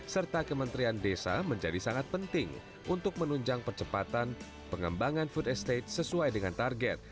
serta kementerian desa menjadi sangat penting untuk menunjang percepatan pengembangan food estate sesuai dengan target